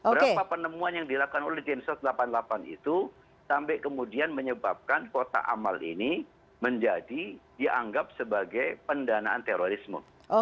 berapa penemuan yang dilakukan oleh densus delapan puluh delapan itu sampai kemudian menyebabkan kotak amal ini menjadi dianggap sebagai pendanaan terorisme